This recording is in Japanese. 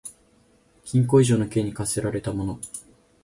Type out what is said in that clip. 禁錮以上の刑に処せられた者